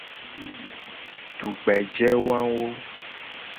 Tugbeje wawo.